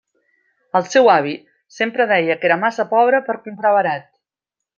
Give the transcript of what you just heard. El seu avi sempre deia que era massa pobre per comprar barat.